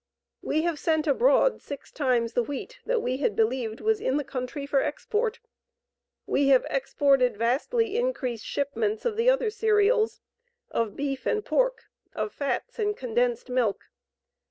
We have sent abroad six times the wheat that we had believed was in the country for export. We have exported vastly increased shipments of the other cereals, of beef and pork, of fats and condensed milk.